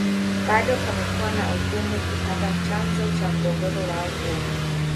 Bado pamekuwa na Ugumu kupata chanzo cha mgogoro wao huo